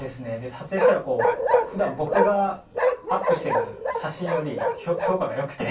撮影したら普段僕がアップしている写真より評価が良くて。